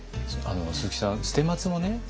鈴木さん捨松もね